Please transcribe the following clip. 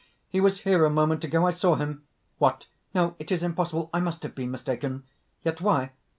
He was here a moment ago. I saw him! "What! No; it is impossible; I must have been mistaken! "Yet why?...